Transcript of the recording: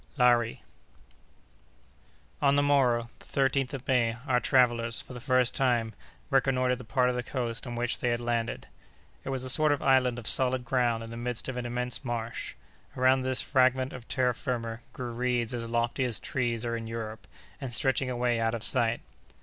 —Lari. On the morrow, the 13th of May, our travellers, for the first time, reconnoitred the part of the coast on which they had landed. It was a sort of island of solid ground in the midst of an immense marsh. Around this fragment of terra firma grew reeds as lofty as trees are in Europe, and stretching away out of sight.